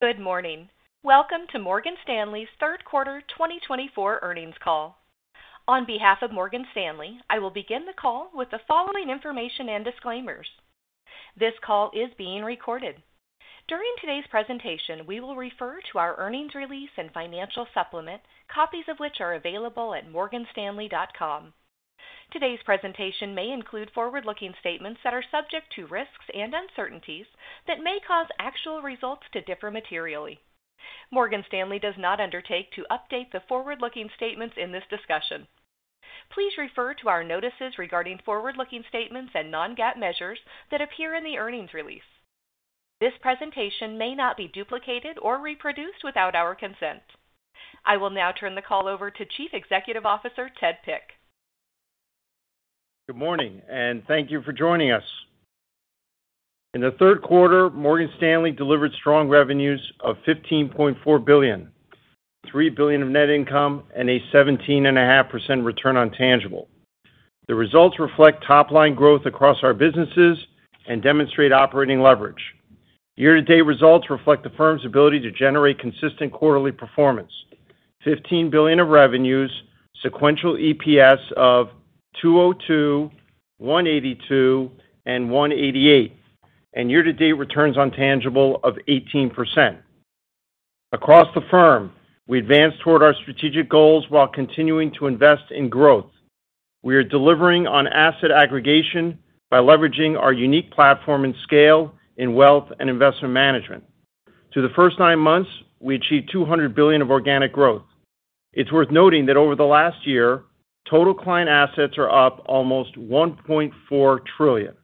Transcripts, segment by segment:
Good morning. Welcome to Morgan Stanley's third quarter 2024 earnings call. On behalf of Morgan Stanley, I will begin the call with the following information and disclaimers. This call is being recorded. During today's presentation, we will refer to our earnings release and financial supplement, copies of which are available at morganstanley.com. Today's presentation may include forward-looking statements that are subject to risks and uncertainties that may cause actual results to differ materially. Morgan Stanley does not undertake to update the forward-looking statements in this discussion. Please refer to our notices regarding forward-looking statements and non-GAAP measures that appear in the earnings release. This presentation may not be duplicated or reproduced without our consent. I will now turn the call over to Chief Executive Officer, Ted Pick. Good morning, and thank you for joining us. In the third quarter, Morgan Stanley delivered strong revenues of $15.4 billion, $3 billion of net income, and a 17.5% return on tangible. The results reflect top-line growth across our businesses and demonstrate operating leverage. Year-to-date results reflect the firm's ability to generate consistent quarterly performance, $15 billion of revenues, sequential EPS of $2.02, $1.82, and $1.88, and year-to-date returns on tangible of 18%. Across the firm, we advanced toward our strategic goals while continuing to invest in growth. We are delivering on asset aggregation by leveraging our unique platform and scale in Wealth and Investment Management. In the first nine months, we achieved $200 billion of organic growth. It's worth noting that over the last year, total client assets are up almost $1.4 trillion.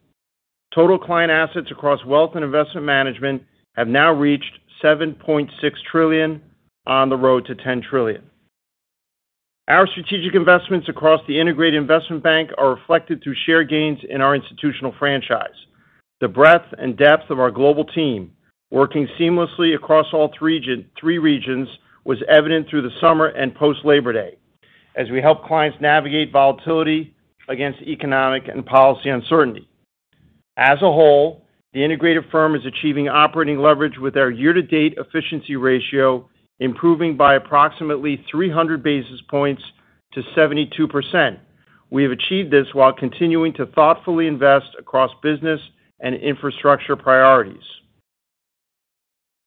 Total client assets across Wealth and Investment Management have now reached $7.6 trillion on the road to $10 trillion. Our strategic investments across the integrated investment bank are reflected through share gains in our institutional franchise. The breadth and depth of our global team, working seamlessly across all three regions, was evident through the summer and post Labor Day, as we help clients navigate volatility against economic and policy uncertainty. As a whole, the integrated firm is achieving operating leverage with our year-to-date efficiency ratio, improving by approximately 300 basis points to 72%. We have achieved this while continuing to thoughtfully invest across business and infrastructure priorities.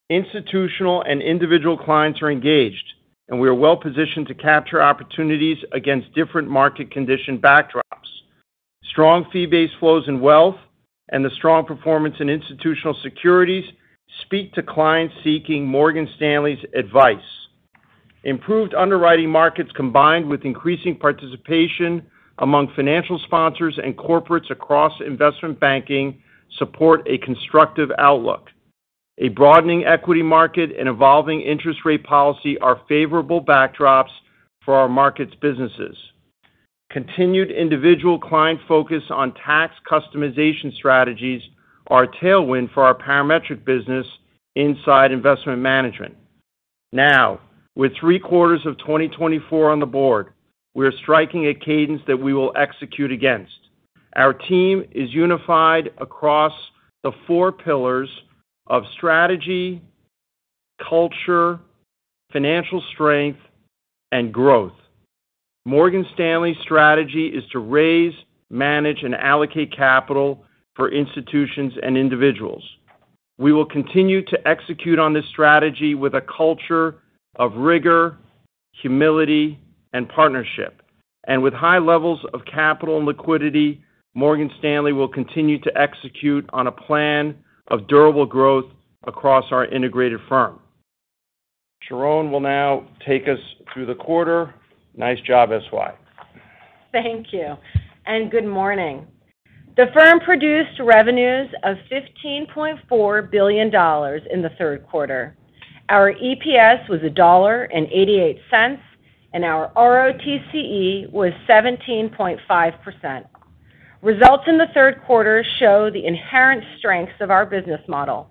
Institutional and individual clients are engaged, and we are well-positioned to capture opportunities against different market condition backdrops. Strong fee-based flows in wealth and the strong performance in Institutional Securities speak to clients seeking Morgan Stanley's advice. Improved underwriting markets, combined with increasing participation among financial sponsors and corporates across Investment Banking, support a constructive outlook. A broadening equity market and evolving interest rate policy are favorable backdrops for our markets businesses. Continued individual client focus on tax customization strategies are a tailwind for our Parametric business inside investment management. Now, with three quarters of 2024 on the board, we are striking a cadence that we will execute against. Our team is unified across the four pillars of strategy, culture, financial strength, and growth. Morgan Stanley's strategy is to raise, manage, and allocate capital for institutions and individuals. We will continue to execute on this strategy with a culture of rigor, humility, and partnership, and with high levels of capital and liquidity, Morgan Stanley will continue to execute on a plan of durable growth across our integrated firm. Sharon will now take us through the quarter. Nice job, SY. Thank you, and good morning. The firm produced revenues of $15.4 billion in the third quarter. Our EPS was $1.88, and our ROTCE was 17.5%. Results in the third quarter show the inherent strengths of our business model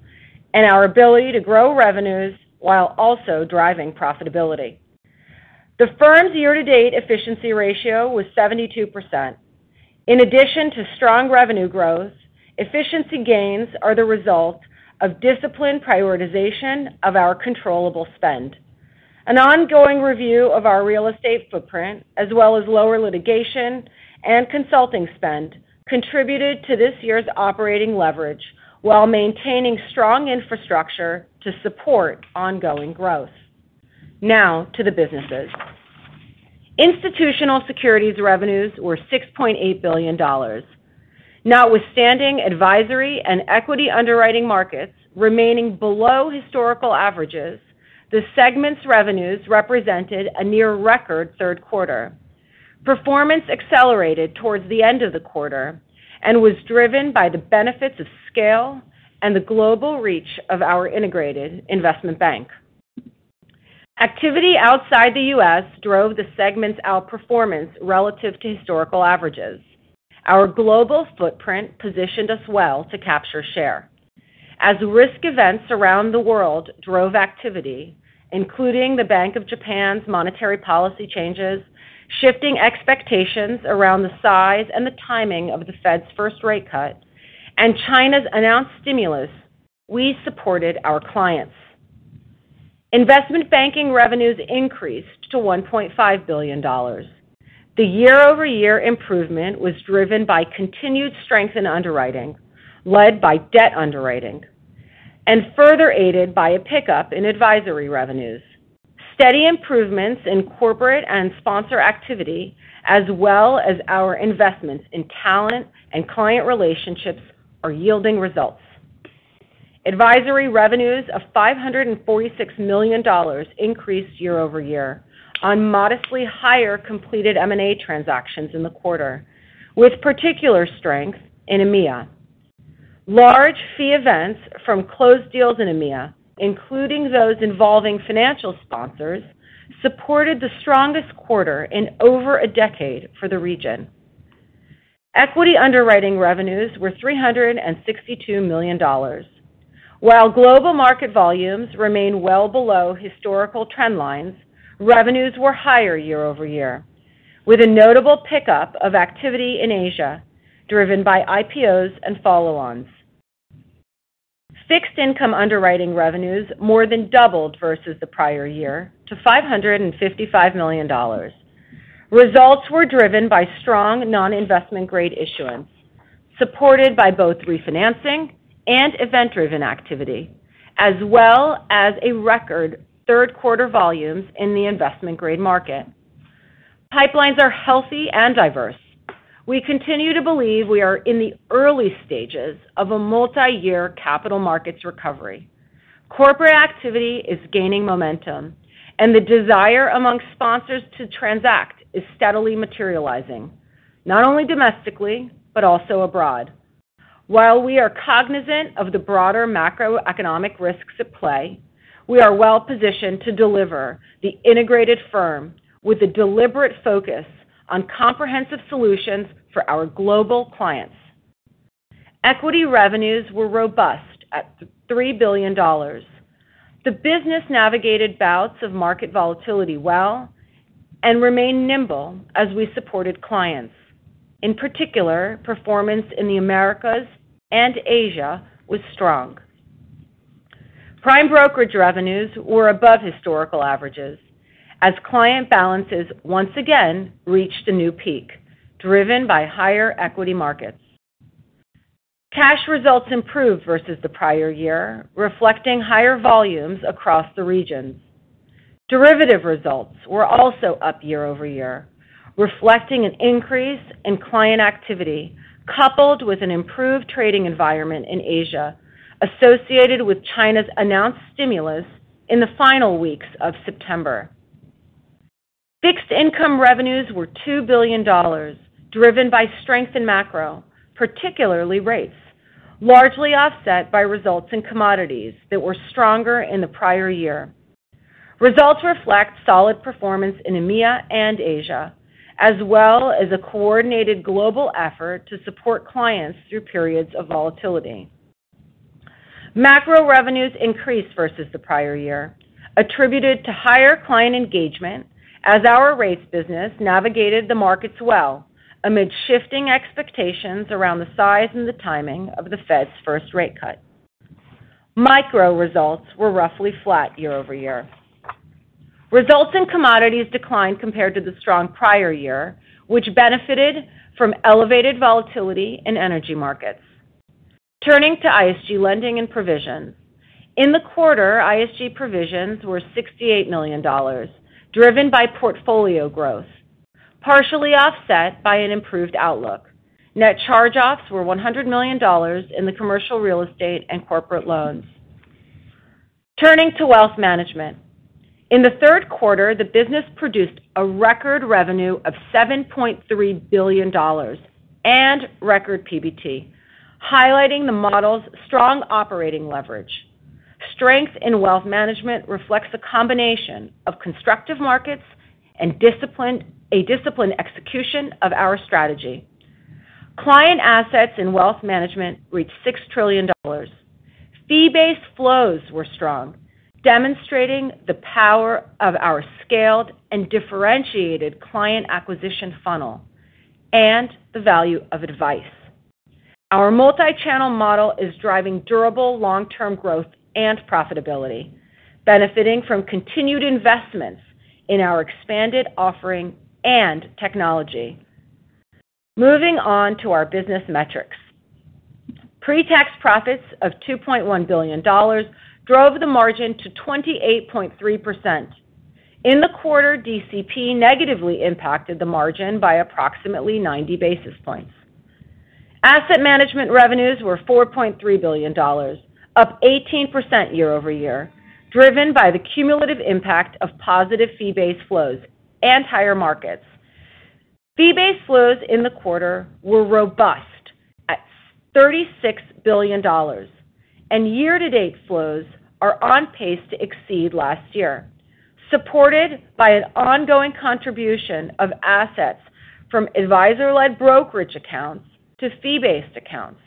and our ability to grow revenues while also driving profitability. The firm's year-to-date efficiency ratio was 72%. In addition to strong revenue growth, efficiency gains are the result of disciplined prioritization of our controllable spend. An ongoing review of our real estate footprint, as well as lower litigation and consulting spend, contributed to this year's operating leverage while maintaining strong infrastructure to support ongoing growth. Now to the businesses. Institutional Securities revenues were $6.8 billion. Notwithstanding Advisory and Equity underwriting markets remaining below historical averages, the segment's revenues represented a near record third quarter. Performance accelerated towards the end of the quarter and was driven by the benefits of scale and the global reach of our integrated investment bank. Activity outside the U.S. drove the segment's outperformance relative to historical averages. Our global footprint positioned us well to capture share. As risk events around the world drove activity, including the Bank of Japan's monetary policy changes, shifting expectations around the size and the timing of the Fed's first rate cut, and China's announced stimulus, we supported our clients. Investment Banking revenues increased to $1.5 billion. The year-over-year improvement was driven by continued strength in underwriting, led by debt underwriting, and further aided by a pickup in Advisory revenues. Steady improvements in corporate and sponsor activity, as well as our investments in talent and client relationships, are yielding results. Advisory revenues of $546 million increased year over year on modestly higher completed M&A transactions in the quarter, with particular strength in EMEA. Large fee events from closed deals in EMEA, including those involving financial sponsors, supported the strongest quarter in over a decade for the region. Equity underwriting revenues were $362 million. While global market volumes remain well below historical trend lines, revenues were higher year over year, with a notable pickup of activity in Asia, driven by IPOs and follow-ons. Fixed Income underwriting revenues more than doubled versus the prior year to $555 million. Results were driven by strong non-investment grade issuance, supported by both refinancing and event-driven activity, as well as a record third quarter volumes in the investment grade market. Pipelines are healthy and diverse. We continue to believe we are in the early stages of a multiyear capital markets recovery. Corporate activity is gaining momentum, and the desire among sponsors to transact is steadily materializing, not only domestically, but also abroad. While we are cognizant of the broader Macroeconomic risks at play, we are well-positioned to deliver the integrated firm with a deliberate focus on comprehensive solutions for our global clients. Equity revenues were robust at $3 billion. The business navigated bouts of market volatility well and remained nimble as we supported clients. In particular, performance in the Americas and Asia was strong. Prime brokerage revenues were above historical averages, as client balances once again reached a new peak, driven by higher equity markets. Cash results improved versus the prior year, reflecting higher volumes across the regions. Derivative results were also up year over year, reflecting an increase in client activity, coupled with an improved trading environment in Asia, associated with China's announced stimulus in the final weeks of September. Fixed Income revenues were $2 billion, driven by strength in Macro, particularly rates, largely offset by results in Commodities that were stronger in the prior year. Results reflect solid performance in EMEA and Asia, as well as a coordinated global effort to support clients through periods of volatility. Macro revenues increased versus the prior year, attributed to higher client engagement as our rates business navigated the markets well amid shifting expectations around the size and the timing of the Fed's first rate cut. Micro results were roughly flat year over year. Results in Commodities declined compared to the strong prior year, which benefited from elevated volatility in energy markets. Turning to ISG lending and provisions. In the quarter, ISG provisions were $68 million, driven by portfolio growth, partially offset by an improved outlook. Net charge-offs were $100 million in the commercial real estate and corporate loans. Turning to Wealth Management. In the third quarter, the business produced a record revenue of $7.3 billion and record PBT, highlighting the model's strong operating leverage. Strength in Wealth Management reflects a combination of constructive markets and disciplined execution of our strategy. Client assets in Wealth Management reached $6 trillion. Fee-based flows were strong, demonstrating the power of our scaled and differentiated client acquisition funnel and the value of advice. Our multi-channel model is driving durable, long-term growth and profitability, benefiting from continued investments in our expanded offering and technology. Moving on to our business metrics. Pre-tax profits of $2.1 billion drove the margin to 28.3%. In the quarter, DCP negatively impacted the margin by approximately ninety basis points. Asset management revenues were $4.3 billion, up 18% year over year, driven by the cumulative impact of positive fee-based flows and higher markets. Fee-based flows in the quarter were robust at $36 billion, and year-to-date flows are on pace to exceed last year, supported by an ongoing contribution of assets from Advisor-Led brokerage accounts to fee-based accounts.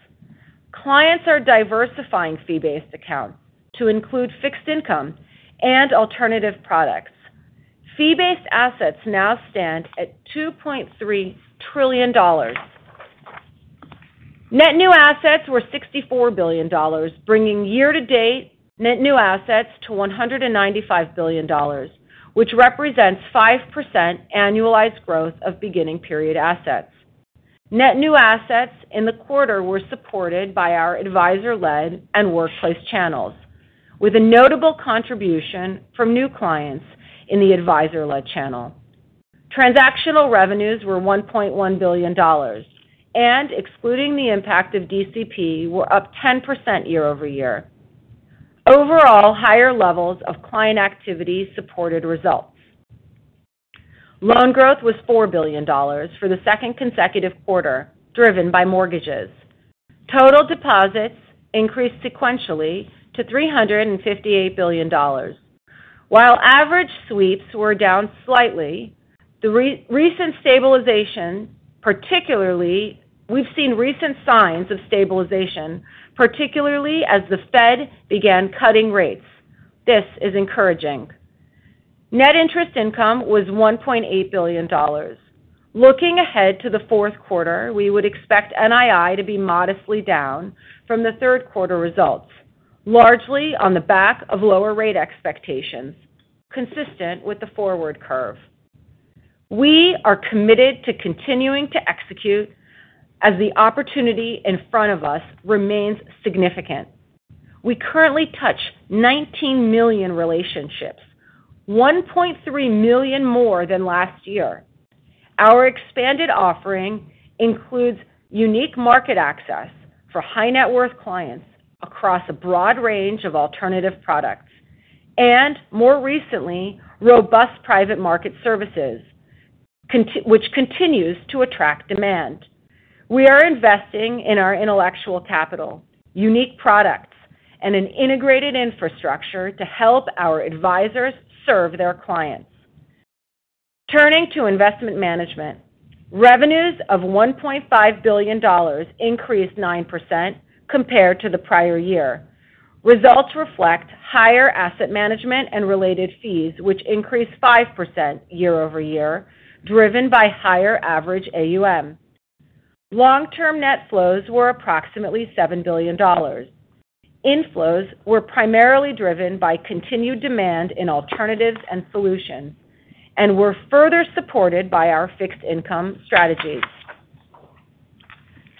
Clients are diversifying fee-based accounts to include Fixed Income and alternative products. Fee-based assets now stand at $2.3 trillion. Net new assets were $64 billion, bringing year-to-date net new assets to $195 billion, which represents 5% annualized growth of beginning period assets. Net new assets in the quarter were supported by our Advisor-Led and Workplace channels, with a notable contribution from new clients in the Advisor-Led channel. Transactional revenues were $1.1 billion, and excluding the impact of DCP, were up 10% year over year. Overall, higher levels of client activity supported results. Loan growth was $4 billion for the second consecutive quarter, driven by mortgages. Total deposits increased sequentially to $358 billion. While average sweeps were down slightly, the recent stabilization, particularly, we've seen recent signs of stabilization, particularly as the Fed began cutting rates. This is encouraging. Net interest income was $1.8 billion. Looking ahead to the fourth quarter, we would expect NII to be modestly down from the third quarter results, largely on the back of lower rate expectations, consistent with the forward curve. We are committed to continuing to execute as the opportunity in front of us remains significant. We currently touch 19 million relationships, 1.3 million more than last year. Our expanded offering includes unique market access for high net worth clients across a broad range of alternative products, and more recently, robust private market services, which continues to attract demand. We are investing in our intellectual capital, unique products, and an integrated infrastructure to help our advisors serve their clients. Turning to Investment Management. Revenues of $1.5 billion increased 9% compared to the prior year. Results reflect higher asset management and related fees, which increased 5% year over year, driven by higher average AUM. Long-term net flows were approximately $7 billion. Inflows were primarily driven by continued demand in alternatives and solutions, and were further supported by our Fixed Income strategies.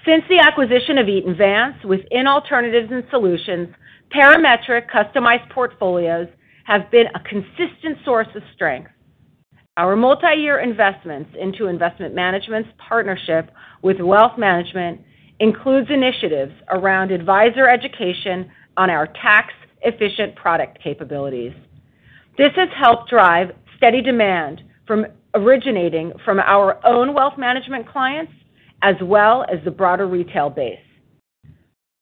Since the acquisition of Eaton Vance within Alternatives and Solutions, Parametric customized portfolios have been a consistent source of strength. Our multiyear investments into Investment Management's partnership with Wealth Management includes initiatives around advisor education on our tax-efficient product capabilities. This has helped drive steady demand originating from our own Wealth Management clients, as well as the broader retail base.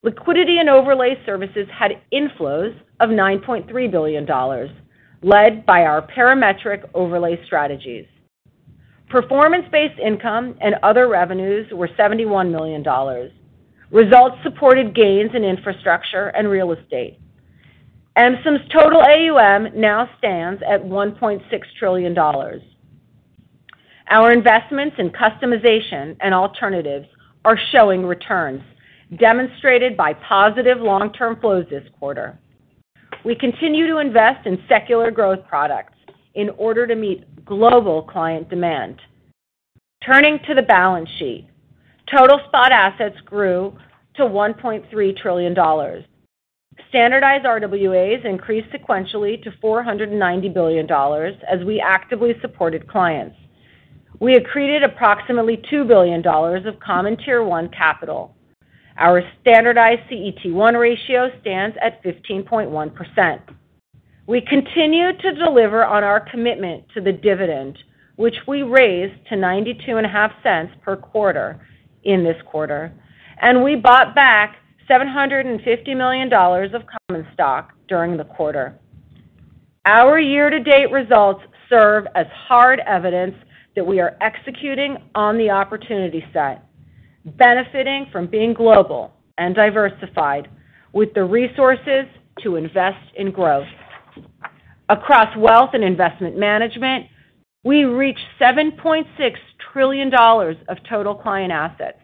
Liquidity and Overlay Services had inflows of $9.3 billion, led by our Parametric overlay strategies. Performance-based income and other revenues were $71 million. Results supported gains in infrastructure and real estate. MSIM's total AUM now stands at $1.6 trillion. Our investments in customization and alternatives are showing returns, demonstrated by positive long-term flows this quarter. We continue to invest in secular growth products in order to meet global client demand. Turning to the balance sheet. Total spot assets grew to $1.3 trillion. Standardized RWAs increased sequentially to $490 billion as we actively supported clients. We accreted approximately $2 billion of common Tier 1 capital. Our standardized CET1 ratio stands at 15.1%. We continue to deliver on our commitment to the dividend, which we raised to $0.925 per quarter in this quarter, and we bought back $750 million of common stock during the quarter. Our year-to-date results serve as hard evidence that we are executing on the opportunity set, benefiting from being global and diversified with the resources to invest in growth. Across Wealth and Investment Management, we reached $7.6 trillion of total client assets.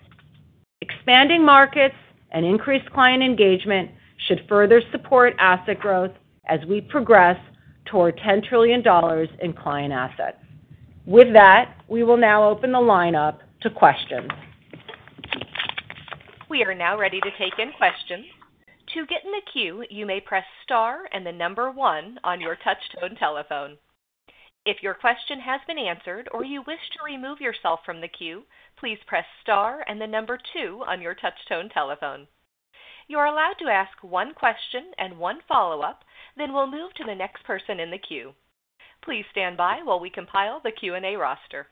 Expanding markets and increased client engagement should further support asset growth as we progress toward $10 trillion in client assets. With that, we will now open the line up to questions. We are now ready to take in questions. To get in the queue, you may press star and the number one on your touchtone telephone. If your question has been answered or you wish to remove yourself from the queue, please press star and the number two on your touchtone telephone. You are allowed to ask one question and one follow-up, then we'll move to the next person in the queue. Please stand by while we compile the Q&A roster.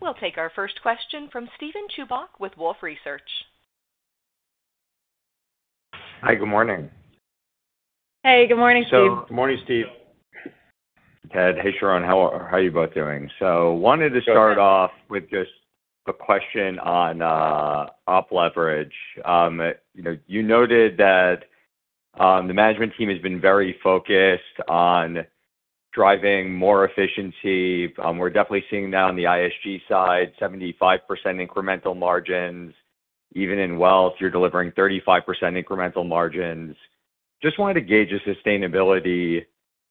We'll take our first question from Steven Chubak with Wolfe Research. Hi, good morning. Hey, good morning, Steve. Good morning, Steve. Ted. Hey, Sharon. How are you both doing? I wanted to start off with just a question on op leverage. You know, you noted that the management team has been very focused on driving more efficiency. We're definitely seeing that on the ISG side, 75% incremental margins. Even in Wealth, you're delivering 35% incremental margins. Just wanted to gauge the sustainability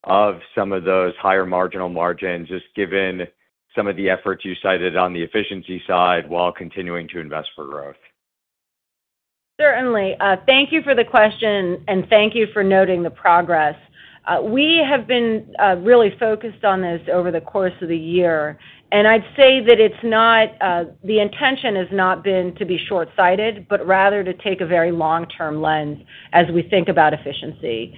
of some of those higher marginal margins, just given some of the efforts you cited on the efficiency side, while continuing to invest for growth. Certainly. Thank you for the question, and thank you for noting the progress. We have been really focused on this over the course of the year, and I'd say that it's not the intention has not been to be short-sighted, but rather to take a very long-term lens as we think about efficiency.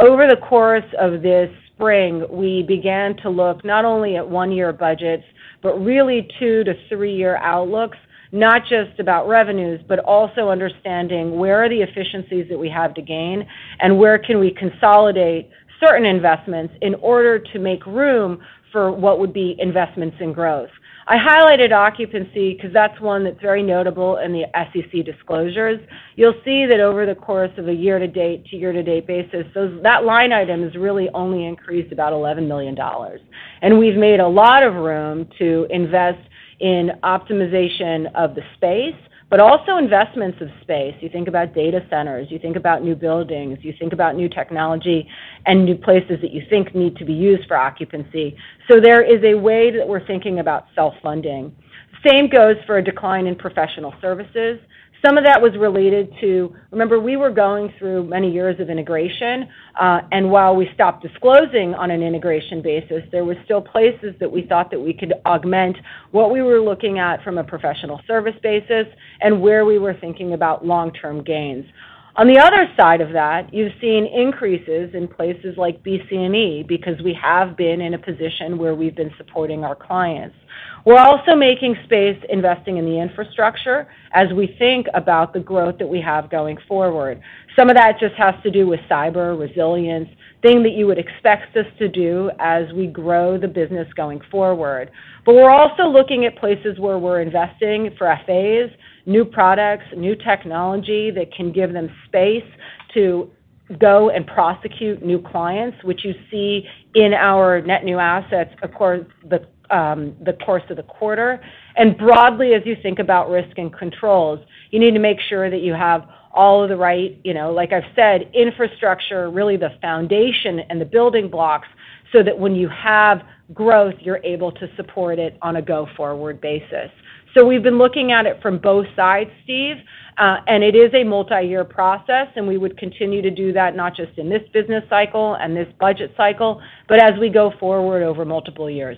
Over the course of this spring, we began to look not only at one-year budgets, but really two to three-year outlooks, not just about revenues, but also understanding where are the efficiencies that we have to gain, and where can we consolidate certain investments in order to make room for what would be investments in growth? I highlighted occupancy because that's one that's very notable in the SEC disclosures. You'll see that over the course of a year-to-date to year-to-date basis, that line item has really only increased about $11 million. And we've made a lot of room to invest in optimization of the space, but also investments of space. You think about data centers, you think about new buildings, you think about new technology and new places that you think need to be used for occupancy. So there is a way that we're thinking about self-funding. Same goes for a decline in professional services. Some of that was related to... Remember, we were going through many years of integration, and while we stopped disclosing on an integration basis, there were still places that we thought that we could augment what we were looking at from a professional service basis and where we were thinking about long-term gains. On the other side of that, you've seen increases in places like BC&E, because we have been in a position where we've been supporting our clients. We're also making space, investing in the infrastructure as we think about the growth that we have going forward. Some of that just has to do with cyber resilience, thing that you would expect us to do as we grow the business going forward. But we're also looking at places where we're investing for FAs, new products, new technology that can give them space to go and prosecute new clients, which you see in our net new assets, of course, the course of the quarter. Broadly, as you think about risk and controls, you need to make sure that you have all of the right, you know, like I've said, infrastructure, really, the foundation and the building blocks, so that when you have growth, you're able to support it on a go-forward basis. We've been looking at it from both sides, Steve, and it is a multi-year process, and we would continue to do that, not just in this business cycle and this budget cycle, but as we go forward over multiple years.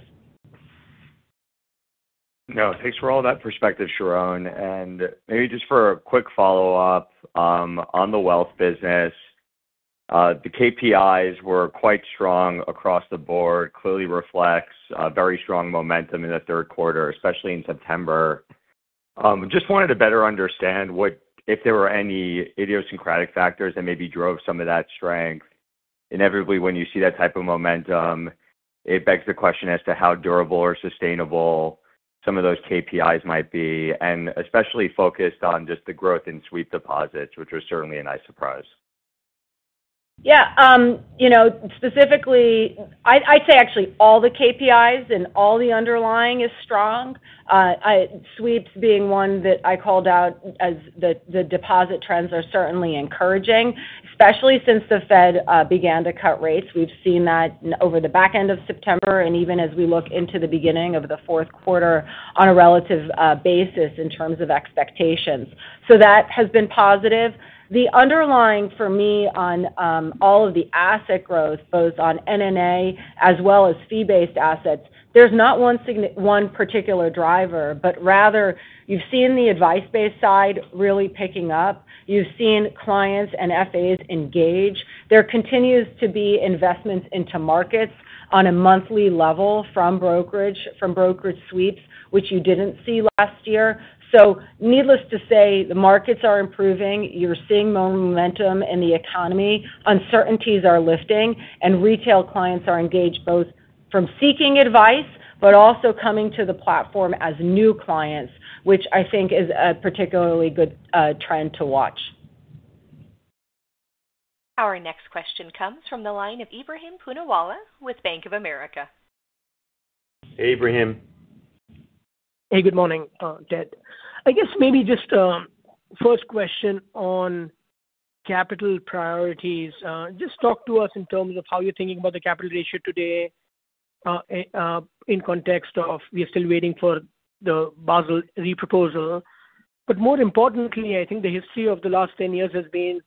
No, thanks for all that perspective, Sharon. Maybe just for a quick follow-up on the wealth business. The KPIs were quite strong across the board, clearly reflects very strong momentum in the third quarter, especially in September. Just wanted to better understand what if there were any idiosyncratic factors that maybe drove some of that strength. Inevitably, when you see that type of momentum, it begs the question as to how durable or sustainable some of those KPIs might be, and especially focused on just the growth in sweep deposits, which was certainly a nice surprise. Yeah, you know, specifically, I'd say actually, all the KPIs and all the underlying is strong. Sweeps being one that I called out as the deposit trends are certainly encouraging, especially since the Fed began to cut rates. We've seen that over the back end of September, and even as we look into the beginning of the fourth quarter on a relative basis in terms of expectations. So that has been positive. The underlying for me on all of the asset growth, both on NNA as well as fee-based assets, there's not one particular driver, but rather you've seen the advice-based side really picking up. You've seen clients and FAs engage. There continues to be investments into markets on a monthly level from brokerage, from brokerage sweeps, which you didn't see last year. So needless to say, the markets are improving. You're seeing more momentum in the economy, uncertainties are lifting, and retail clients are engaged, both from seeking advice but also coming to the platform as new clients, which I think is a particularly good trend to watch. Our next question comes from the line of Ebrahim Poonawala with Bank of America. Ebrahim. Hey, good morning, Ted. I guess maybe just first question on capital priorities. Just talk to us in terms of how you're thinking about the capital ratio today, in context of we are still waiting for the Basel reproposal. But more importantly, I think the history of the last ten years has been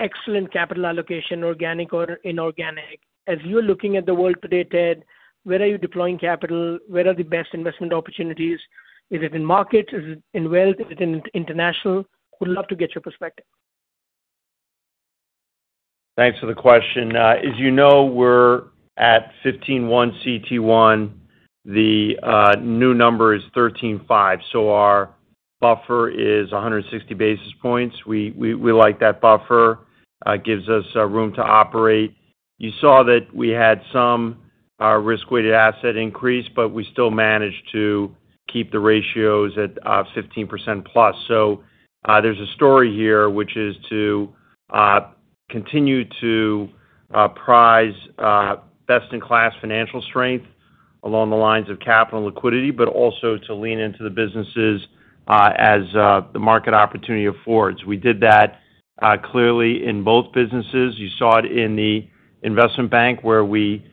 excellent capital allocation, organic or inorganic. As you're looking at the world today, Ted, where are you deploying capital? Where are the best investment opportunities? Is it in markets? Is it in wealth? Is it in international? Would love to get your perspective. Thanks for the question. As you know, we're at 15.1 CET1. The new number is 13.5, so our buffer is 160 basis points. We like that buffer. It gives us room to operate. You saw that we had some-... our risk-weighted asset increase, but we still managed to keep the ratios at 15% plus. So there's a story here, which is to continue to prize best-in-class financial strength along the lines of capital liquidity, but also to lean into the businesses as the market opportunity affords. We did that clearly in both businesses. You saw it in the investment bank, where we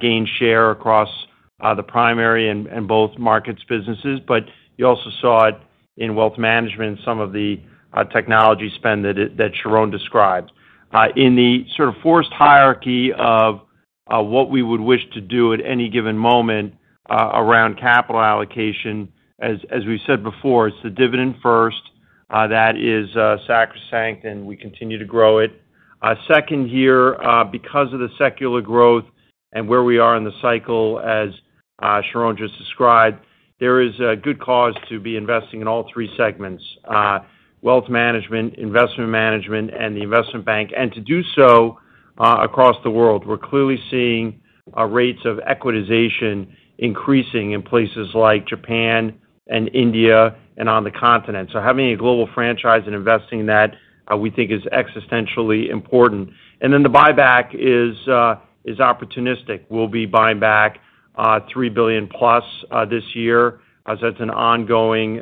gained share across the primary and both markets businesses, but you also saw it in Wealth Management and some of the technology spend that Sharon described. In the sort of forced hierarchy of what we would wish to do at any given moment around capital allocation, as we've said before, it's the dividend first. That is sacrosanct, and we continue to grow it. Second year, because of the secular growth and where we are in the cycle, as Sharon just described, there is a good cause to be investing in all three segments: Wealth Management, Investment Management, and the investment bank. And to do so, across the world, we're clearly seeing our rates of equitization increasing in places like Japan and India and on the continent. So having a global franchise and investing in that, we think is existentially important. And then the buyback is opportunistic. We'll be buying back $3 billion plus this year, as that's an ongoing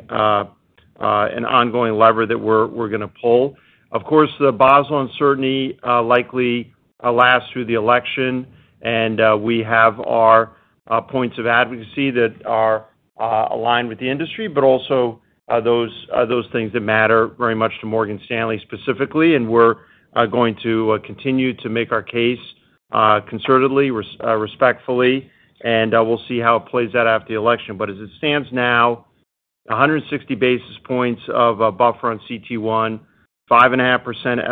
lever that we're gonna pull. Of course, the Basel uncertainty likely will last through the election, and we have our points of advocacy that are aligned with the industry, but also those things that matter very much to Morgan Stanley, specifically. We're going to continue to make our case concertedly, respectfully, and we'll see how it plays out after the election. But as it stands now, 160 basis points of a buffer on CET1, 5.5%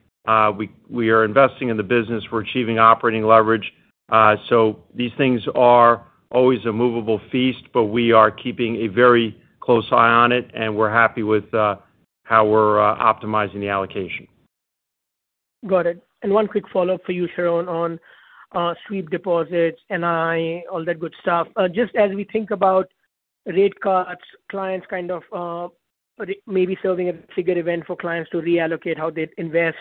SLR. We are investing in the business. We're achieving operating leverage. So these things are always a movable feast, but we are keeping a very close eye on it, and we're happy with how we're optimizing the allocation. Got it. And one quick follow-up for you, Sharon, on sweep deposits, NII, all that good stuff. Just as we think about rate cuts, clients kind of maybe serving a trigger event for clients to reallocate how they invest.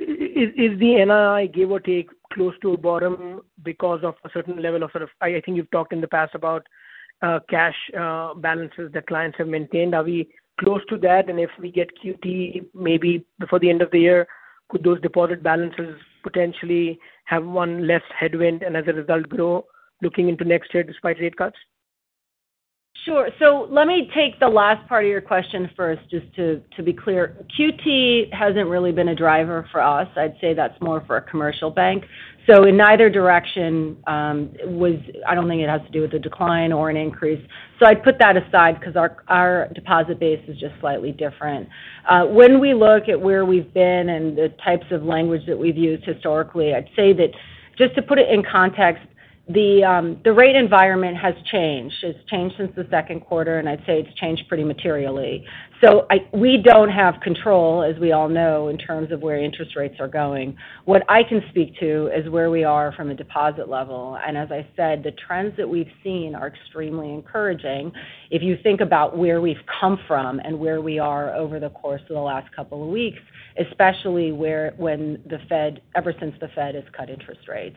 Is the NII, give or take, close to a bottom because of a certain level of sort of... I think you've talked in the past about cash balances that clients have maintained. Are we close to that? And if we get QT, maybe before the end of the year, could those deposit balances potentially have one less headwind and, as a result, grow, looking into next year, despite rate cuts? Sure. So let me take the last part of your question first, just to be clear. QT hasn't really been a driver for us. I'd say that's more for a commercial bank. So in either direction, I don't think it has to do with a decline or an increase. So I'd put that aside because our deposit base is just slightly different. When we look at where we've been and the types of language that we've used historically, I'd say that just to put it in context, the rate environment has changed. It's changed since the second quarter, and I'd say it's changed pretty materially. So we don't have control, as we all know, in terms of where interest rates are going. What I can speak to is where we are from a deposit level, and as I said, the trends that we've seen are extremely encouraging if you think about where we've come from and where we are over the course of the last couple of weeks, especially where, when the Fed ever since the Fed has cut interest rates.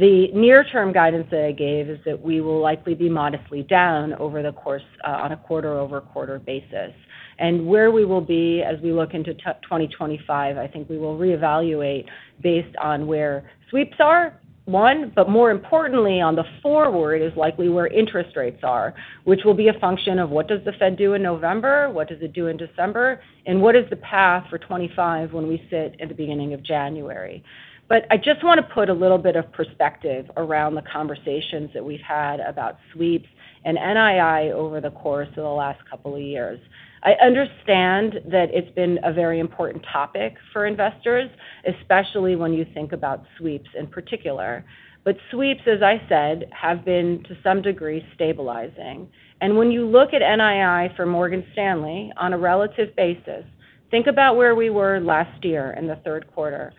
The near-term guidance that I gave is that we will likely be modestly down over the course on a quarter-over-quarter basis. And where we will be as we look into 2025, I think we will reevaluate based on where sweeps are, but more importantly, on the forward is likely where interest rates are, which will be a function of: What does the Fed do in November? What does it do in December? And what is the path for 25 when we sit at the beginning of January? But I just want to put a little bit of perspective around the conversations that we've had about sweeps and NII over the course of the last couple of years. I understand that it's been a very important topic for investors, especially when you think about sweeps in particular. But sweeps, as I said, have been, to some degree, stabilizing. And when you look at NII for Morgan Stanley on a relative basis, think about where we were last year in the third quarter.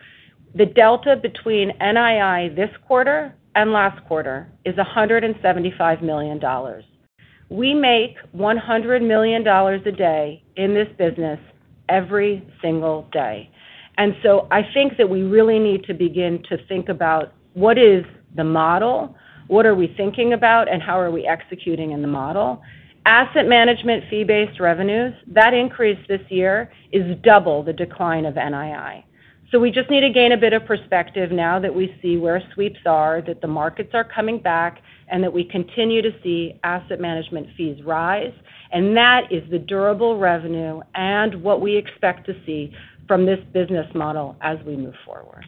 The delta between NII this quarter and last quarter is $175 million. We make $100 million a day in this business every single day. And so I think that we really need to begin to think about: What is the model? What are we thinking about, and how are we executing in the model? Asset management fee-based revenues, that increase this year is double the decline of NII. So we just need to gain a bit of perspective now that we see where sweeps are, that the markets are coming back, and that we continue to see asset management fees rise, and that is the durable revenue and what we expect to see from this business model as we move forward.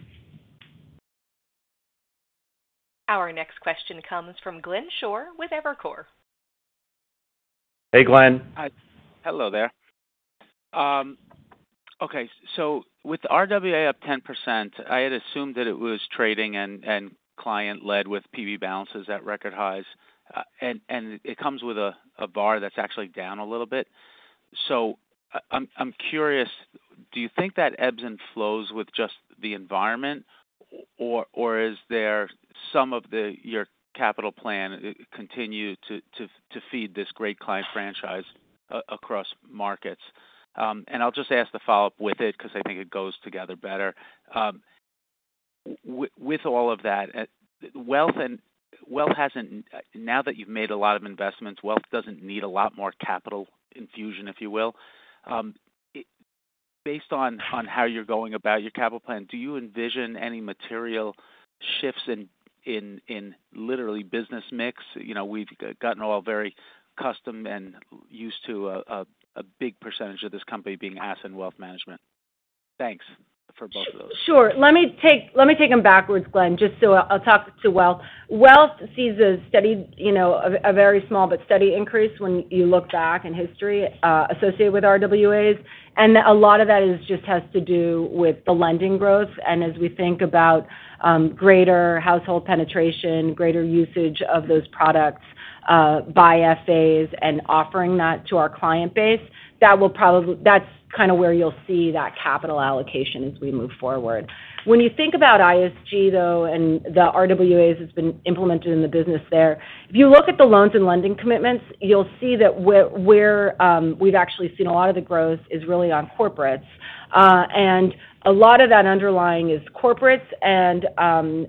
Our next question comes from Glenn Schorr with Evercore. Hey, Glenn. Hi. Hello there. Okay, so with RWA up 10%, I had assumed that it was trading and client-led with PB balances at record highs. And it comes with a VaR that's actually down a little bit. So I'm curious, do you think that ebbs and flows with just the environment, or is there some of your capital plan continue to feed this great client franchise across markets? And I'll just ask the follow-up with it because I think it goes together better. With all of that, wealth hasn't now that you've made a lot of investments, wealth doesn't need a lot more capital infusion, if you will. Based on how you're going about your capital plan, do you envision any material shifts in the retail business mix? You know, we've gotten all very accustomed and used to a big percentage of this company being asset and Wealth Management. Thanks for both of those. Sure. Let me take them backwards, Glenn, just so I'll talk to wealth. Wealth sees a steady, you know, a very small but steady increase when you look back in history, associated with RWAs. And a lot of that is just has to do with the lending growth. And as we think about greater household penetration, greater usage of those products by FAs and offering that to our client base, that will probably that's kind of where you'll see that capital allocation as we move forward. When you think about ISG, though, and the RWAs that's been implemented in the business there, if you look at the loans and lending commitments, you'll see that where we've actually seen a lot of the growth is really on corporates. And a lot of that underlying is corporates and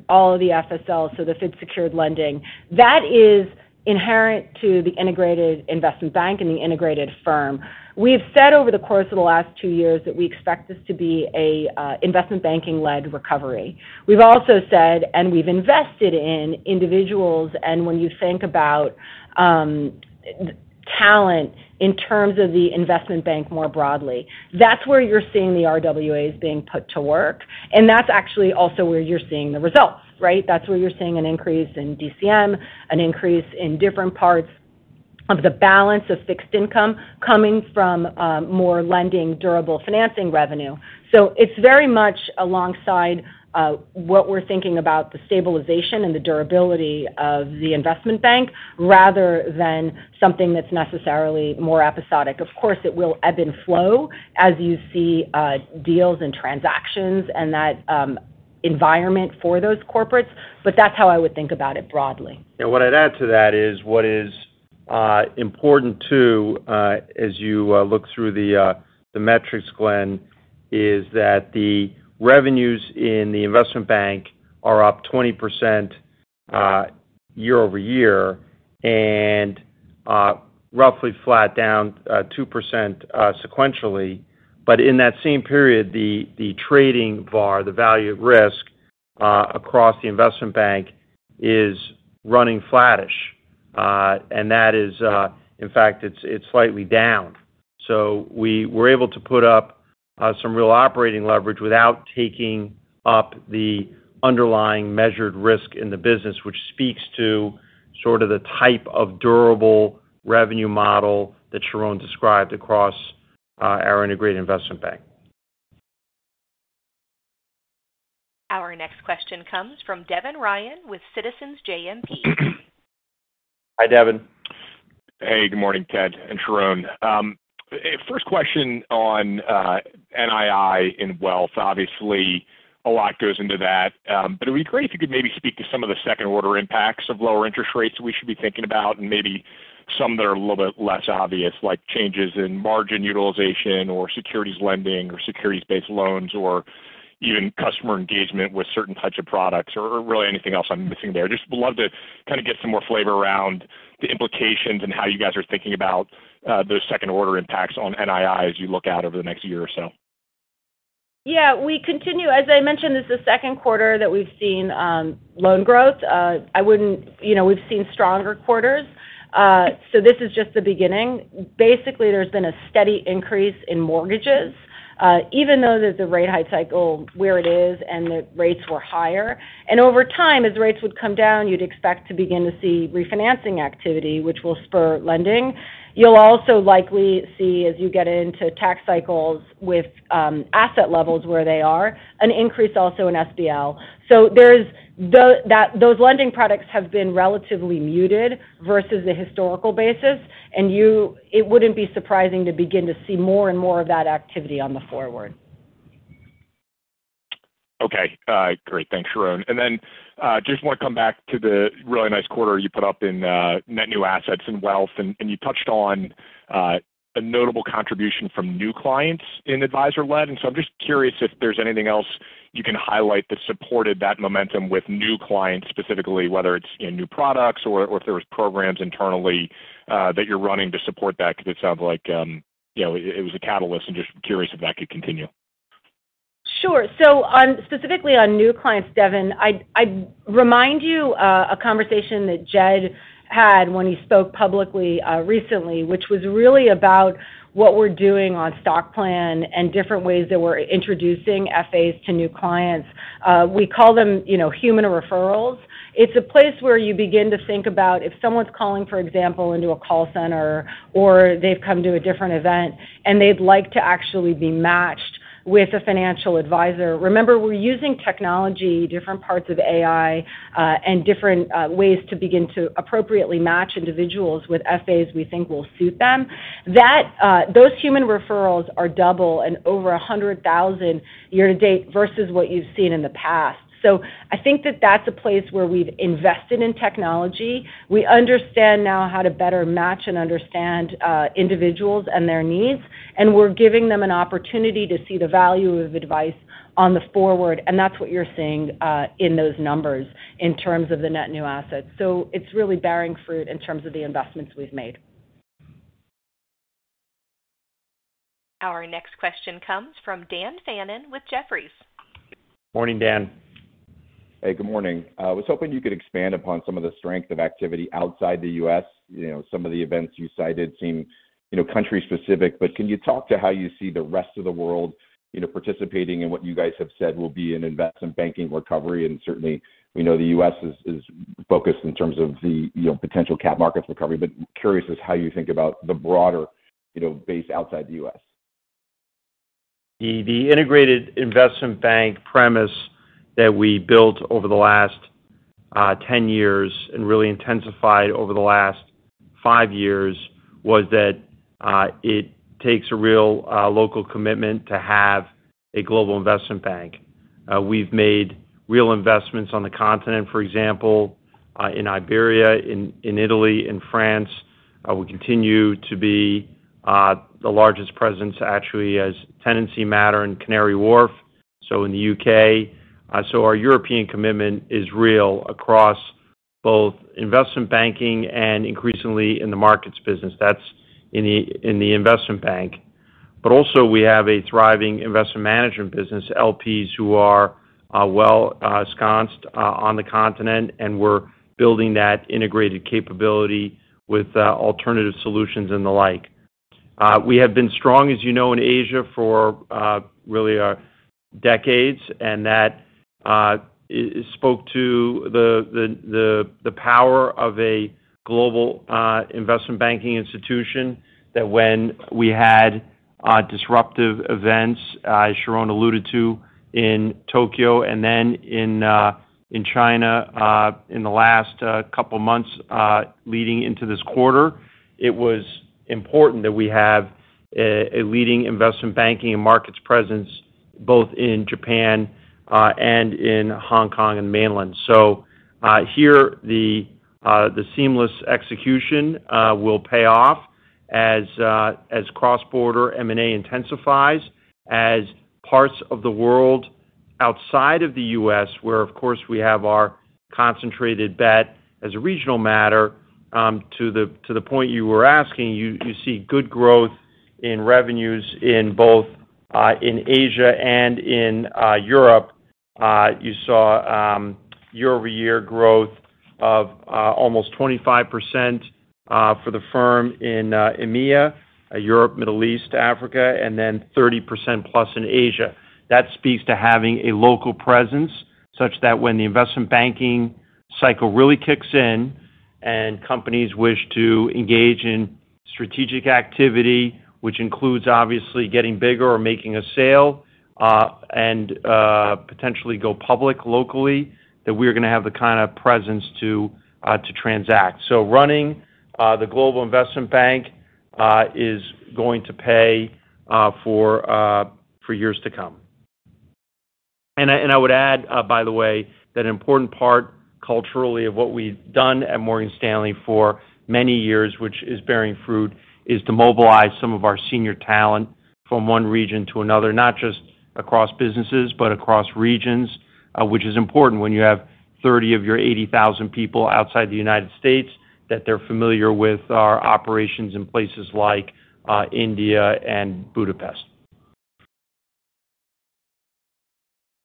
all of the FSL, so the fund-secured lending. That is inherent to the integrated investment bank and the integrated firm. We've said over the course of the last two years that we expect this to be a Investment Banking-led recovery. We've also said, and we've invested in individuals, and when you think about in talent in terms of the investment bank more broadly, that's where you're seeing the RWAs being put to work, and that's actually also where you're seeing the results, right? That's where you're seeing an increase in DCM, an increase in different parts of the balance of Fixed Income coming from more lending, durable financing revenue. So it's very much alongside what we're thinking about the stabilization and the durability of the investment bank, rather than something that's necessarily more episodic. Of course, it will ebb and flow as you see, deals and transactions and that, environment for those corporates, but that's how I would think about it broadly. What I'd add to that is, what is important too, as you look through the metrics, Glenn, is that the revenues in the investment bank are up 20% year over year, and roughly flat down 2% sequentially. But in that same period, the trading VaR, the value at risk, across the investment bank is running flattish. And that is... in fact, it's slightly down. So we were able to put up some real operating leverage without taking up the underlying measured risk in the business, which speaks to sort of the type of durable revenue model that Sharon described across our integrated investment bank. Our next question comes from Devin Ryan with Citizens JMP. Hi, Devin. Hey, good morning, Ted and Sharon. First question on NII in Wealth. Obviously, a lot goes into that, but it would be great if you could maybe speak to some of the second-order impacts of lower interest rates that we should be thinking about, and maybe some that are a little bit less obvious, like changes in margin utilization or securities lending or securities-based loans, or even customer engagement with certain types of products or, or really anything else I'm missing there. Just would love to kind of get some more flavor around the implications and how you guys are thinking about those second-order impacts on NII as you look out over the next year or so. Yeah, we continue. As I mentioned, this is the second quarter that we've seen loan growth. I wouldn't—you know, we've seen stronger quarters. So this is just the beginning. Basically, there's been a steady increase in mortgages, even though there's a rate hike cycle where it is and the rates were higher, and over time, as rates would come down, you'd expect to begin to see refinancing activity, which will spur lending. You'll also likely see, as you get into tax cycles with asset levels where they are, an increase also in SBL. So there's that, those lending products have been relatively muted versus the historical basis, and it wouldn't be surprising to begin to see more and more of that activity going forward. Okay. Great. Thanks, Sharon. And then, just want to come back to the really nice quarter you put up in net new assets and wealth, and you touched on a notable contribution from new clients in Advisor-Led. And so I'm just curious if there's anything else you can highlight that supported that momentum with new clients, specifically, whether it's in new products or if there was programs internally that you're running to support that, because it sounds like, you know, it was a catalyst, and just curious if that could continue. Sure. So on, specifically on new clients, Devin, I'd remind you a conversation that Jed had when he spoke publicly recently, which was really about what we're doing on stock plan and different ways that we're introducing FAs to new clients. We call them, you know, human referrals. It's a place where you begin to think about if someone's calling, for example, into a call center or they've come to a different event, and they'd like to actually be matched with a financial advisor. Remember, we're using technology, different parts of AI, and different ways to begin to appropriately match individuals with FAs we think will suit them. Those human referrals are double and over a hundred thousand year to date versus what you've seen in the past. So I think that that's a place where we've invested in technology. We understand now how to better match and understand individuals and their needs, and we're giving them an opportunity to see the value of advice going forward, and that's what you're seeing in those numbers in terms of the net new assets. So it's really bearing fruit in terms of the investments we've made. Our next question comes from Dan Fannon with Jefferies. Morning, Dan. Hey, good morning. I was hoping you could expand upon some of the strength of activity outside the U.S. You know, some of the events you cited seem, you know, country-specific, but can you talk to how you see the rest of the world, you know, participating in what you guys have said will be an Investment Banking recovery? And certainly, we know the U.S. is focused in terms of the, you know, potential cap markets recovery, but curious as how you think about the broader, you know, base outside the U.S. The integrated investment bank premise that we built over the last ten years and really intensified over the last five years was that it takes a real local commitment to have a global investment bank. We've made real investments on the continent, for example, in Iberia, in Italy, in France. We continue to be the largest presence, actually, as a tenancy matter in Canary Wharf, so in the UK, so our European commitment is real across both Investment Banking and increasingly in the markets business. That's in the investment bank, but also we have a thriving Investment Management business, LPs, who are well ensconced on the continent, and we're building that integrated capability with alternative solutions and the like. We have been strong, as you know, in Asia for really decades, and that I spoke to the power of a global Investment Banking institution, that when we had disruptive events Sharon alluded to in Tokyo and then in China in the last couple of months leading into this quarter, it was important that we have a leading Investment Banking and markets presence, both in Japan and in Hong Kong and Mainland. So, here, the seamless execution will pay off as cross-border M&A intensifies, as parts of the world outside of the US, where, of course, we have our concentrated bet as a regional matter, to the point you were asking, you see good growth in revenues in both, in Asia and in Europe. You saw year-over-year growth of almost 25% for the firm in EMEA, Europe, Middle East, Africa, and then 30% plus in Asia. That speaks to having a local presence, such that when the Investment Banking cycle really kicks in, and companies wish to engage in strategic activity, which includes, obviously, getting bigger or making a sale, and potentially go public locally, that we're gonna have the kind of presence to transact. So running the global investment bank is going to pay for years to come. And I would add, by the way, that an important part, culturally, of what we've done at Morgan Stanley for many years, which is bearing fruit, is to mobilize some of our senior talent from one region to another, not just across businesses, but across regions, which is important when you have thirty of your eighty thousand people outside the United States, that they're familiar with our operations in places like India and Budapest.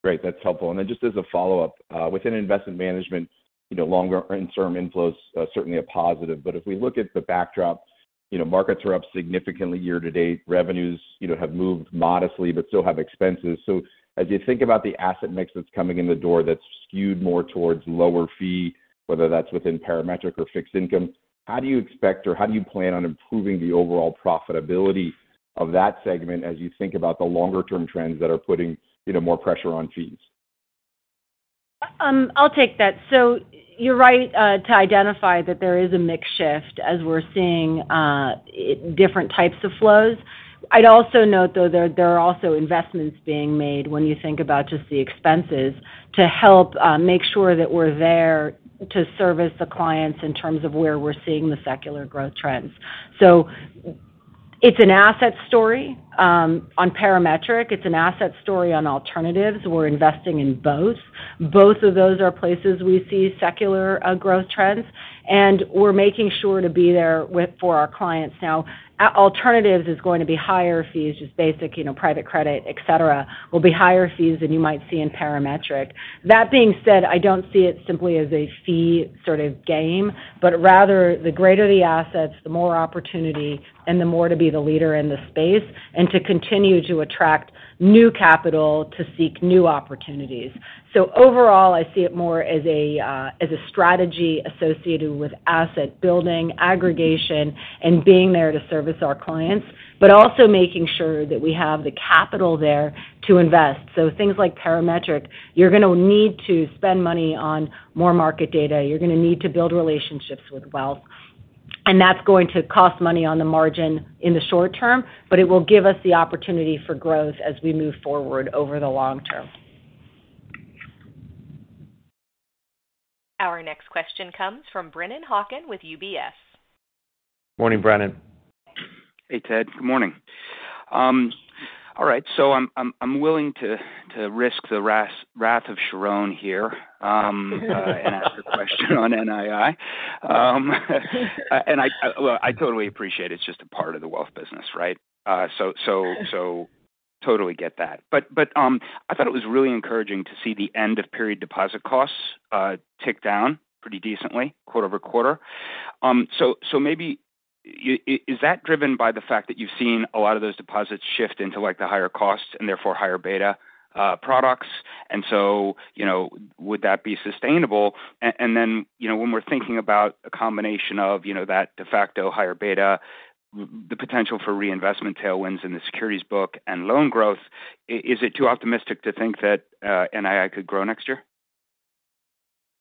Great, that's helpful. And then just as a follow-up, within Investment Management, you know, longer term inflows are certainly a positive. But if we look at the backdrop, you know, markets are up significantly year to date. Revenues, you know, have moved modestly, but still have expenses. So as you think about the asset mix that's coming in the door that's skewed more towards lower fee, whether that's within Parametric or Fixed Income, how do you expect, or how do you plan on improving the overall profitability of that segment as you think about the longer term trends that are putting you know, more pressure on fees? I'll take that. So you're right to identify that there is a mix shift as we're seeing different types of flows. I'd also note, though, there are also investments being made when you think about just the expenses, to help make sure that we're there to service the clients in terms of where we're seeing the secular growth trends. So it's an asset story on Parametric. It's an asset story on alternatives. We're investing in both. Both of those are places we see secular growth trends, and we're making sure to be there with for our clients. Now, alternatives is going to be higher fees, just basic, you know, private credit, et cetera, will be higher fees than you might see in Parametric. That being said, I don't see it simply as a fee sort of game, but rather the greater the assets, the more opportunity and the more to be the leader in the space, and to continue to attract new capital to seek new opportunities. So overall, I see it more as a, as a strategy associated with asset building, aggregation, and being there to service our clients, but also making sure that we have the capital there to invest. So things like Parametric, you're gonna need to spend money on more market data. You're gonna need to build relationships with wealth.... and that's going to cost money on the margin in the short term, but it will give us the opportunity for growth as we move forward over the long term. Our next question comes from Brennan Hawken with UBS. Morning, Brennan. Hey, Ted, good morning. All right, so I'm willing to risk the wrath of Sharon here, and ask a question on NII. Well, I totally appreciate it's just a part of the wealth business, right? So totally get that, but I thought it was really encouraging to see the end-of-period deposit costs tick down pretty decently quarter over quarter. So maybe is that driven by the fact that you've seen a lot of those deposits shift into, like, the higher costs and therefore higher beta products? So, you know, would that be sustainable? And then, you know, when we're thinking about a combination of, you know, that de facto higher beta, the potential for reinvestment tailwinds in the securities book and loan growth, is it too optimistic to think that NII could grow next year?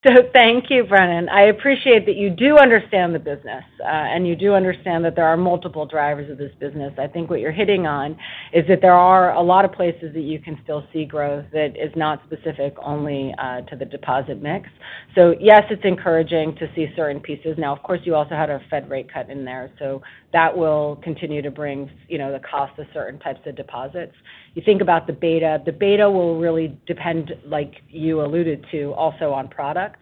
So thank you, Brennan. I appreciate that you do understand the business, and you do understand that there are multiple drivers of this business. I think what you're hitting on is that there are a lot of places that you can still see growth that is not specific only to the deposit mix. So yes, it's encouraging to see certain pieces. Now, of course, you also had a Fed rate cut in there, so that will continue to bring, you know, the cost of certain types of deposits. You think about the beta. The beta will really depend, like you alluded to, also on products.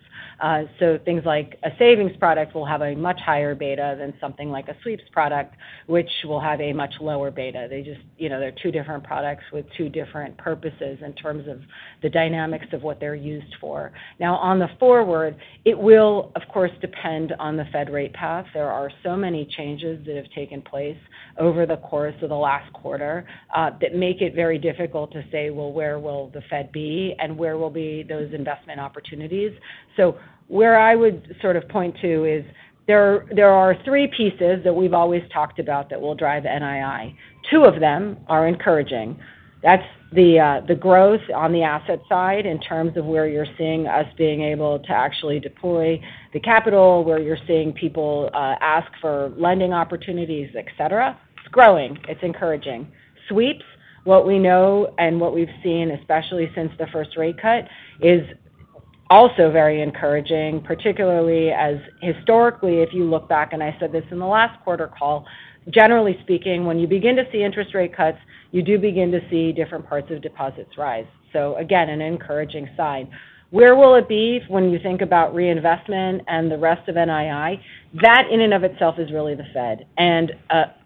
So things like a savings product will have a much higher beta than something like a sweeps product, which will have a much lower beta. They just... You know, they're two different products with two different purposes in terms of the dynamics of what they're used for. Now, on the forward, it will, of course, depend on the Fed rate path. There are so many changes that have taken place over the course of the last quarter that make it very difficult to say, well, where will the Fed be and where will be those investment opportunities? So where I would sort of point to is, there are three pieces that we've always talked about that will drive NII. Two of them are encouraging. That's the growth on the asset side in terms of where you're seeing us being able to actually deploy the capital, where you're seeing people ask for lending opportunities, et cetera. It's growing. It's encouraging. Sweeps, what we know and what we've seen, especially since the first rate cut, is also very encouraging, particularly as historically, if you look back, and I said this in the last quarter call, generally speaking, when you begin to see interest rate cuts, you do begin to see different parts of deposits rise. So again, an encouraging sign. Where will it be when you think about reinvestment and the rest of NII? That in and of itself is really the Fed, and,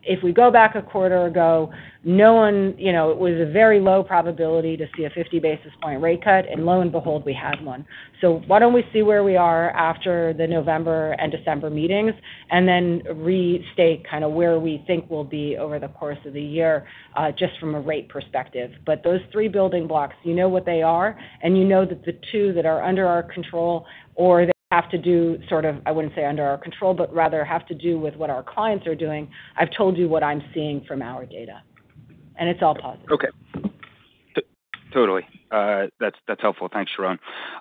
if we go back a quarter ago, no one, you know, it was a very low probability to see a fifty basis point rate cut, and lo and behold, we had one. So why don't we see where we are after the November and December meetings, and then restate kind of where we think we'll be over the course of the year, just from a rate perspective. But those three building blocks, you know what they are, and you know that the two that are under our control or that have to do sort of, I wouldn't say under our control, but rather have to do with what our clients are doing, I've told you what I'm seeing from our data, and it's all positive. Okay. Totally. That's, that's helpful. Thanks, Sharon.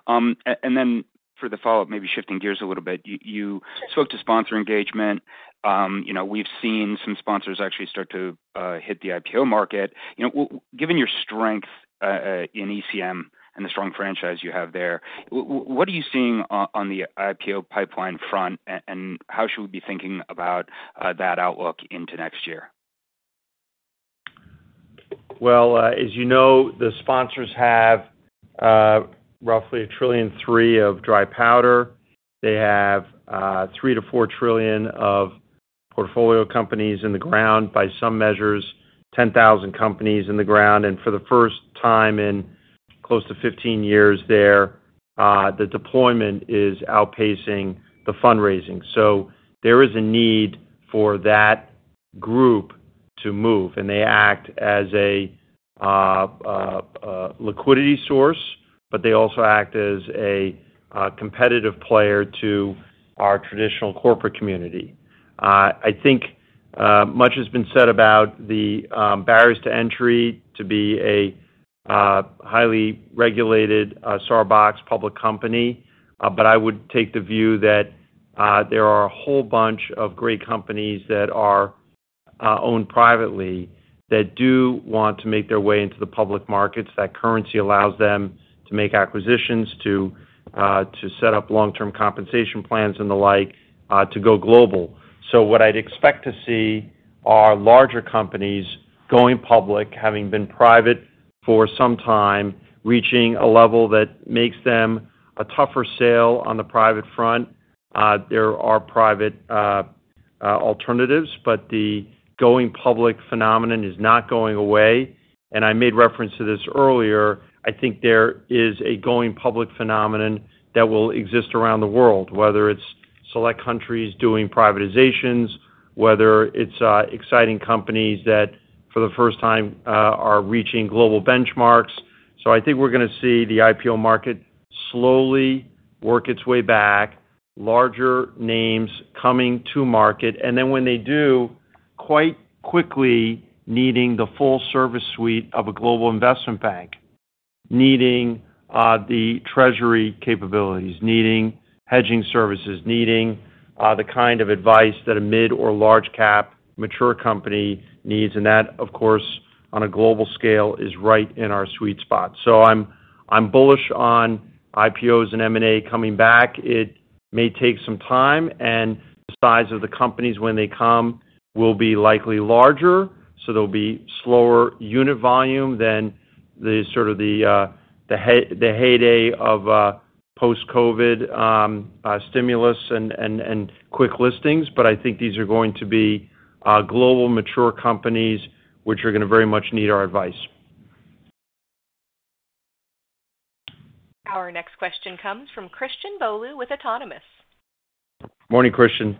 And then for the follow-up, maybe shifting gears a little bit, you, you spoke to sponsor engagement. You know, we've seen some sponsors actually start to hit the IPO market. You know, given your strength in ECM and the strong franchise you have there, what are you seeing on the IPO pipeline front, and how should we be thinking about that outlook into next year? As you know, the sponsors have roughly $1.3 trillion of dry powder. They have $3-$4 trillion of portfolio companies in the ground, by some measures, 10,000 companies in the ground. For the first time in close to 15 years there, the deployment is outpacing the fundraising. There is a need for that group to move, and they act as a liquidity source, but they also act as a competitive player to our traditional corporate community. I think much has been said about the barriers to entry to be a highly regulated Sarbox public company. I would take the view that there are a whole bunch of great companies that are owned privately that do want to make their way into the public markets. That currency allows them to make acquisitions, to set up long-term compensation plans and the like, to go global. So what I'd expect to see are larger companies going public, having been private for some time, reaching a level that makes them a tougher sale on the private front. There are private alternatives, but the going public phenomenon is not going away, and I made reference to this earlier. I think there is a going public phenomenon that will exist around the world, whether it's select countries doing privatizations, whether it's exciting companies that, for the first time, are reaching global benchmarks. So I think we're going to see the IPO market slowly work its way back, larger names coming to market, and then when they do, quite quickly needing the full service suite of a global investment bank. Needing the treasury capabilities, needing hedging services, needing the kind of advice that a mid- or large-cap mature company needs, and that, of course, on a global scale, is right in our sweet spot. So I'm bullish on IPOs and M&A coming back. It may take some time, and the size of the companies, when they come, will be likely larger, so there'll be slower unit volume than the sort of the heyday of post-COVID stimulus and quick listings. But I think these are going to be global, mature companies, which are going to very much need our advice. Our next question comes from Christian Bolu with Autonomous. Morning, Christian.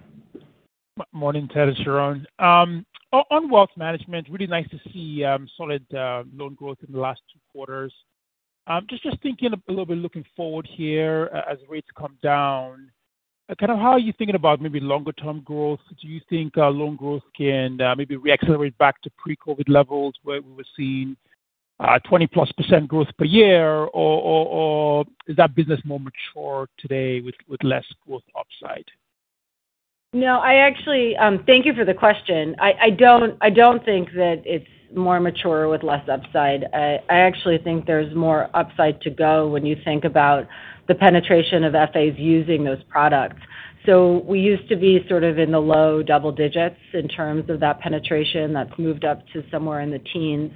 Morning, Ted and Sharon. On Wealth Management, really nice to see solid loan growth in the last two quarters. Just thinking a little bit looking forward here, as rates come down, kind of how are you thinking about maybe longer-term growth? Do you think loan growth can maybe reaccelerate back to pre-COVID levels, where we were seeing 20+% growth per year, or is that business more mature today with less growth upside? No, I actually. Thank you for the question. I don't think that it's more mature with less upside. I actually think there's more upside to go when you think about the penetration of FAs using those products. So we used to be sort of in the low double digits in terms of that penetration. That's moved up to somewhere in the teens.